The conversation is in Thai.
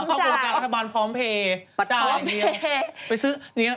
ของโรงการคาถบันพร้อมเภยพร้อมเภย